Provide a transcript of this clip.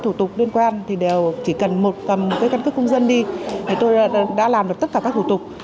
tất cả các thủ tục liên quan chỉ cần một căn cức công dân đi tôi đã làm được tất cả các thủ tục